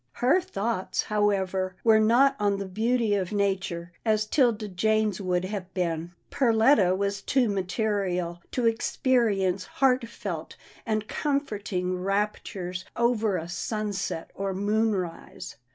Her thoughts, however, were not on the beauty of nature, as 'Tilda Jane's would have been. Per letta was too material to experience heartfelt and comforting raptures over a sunset or moonrise.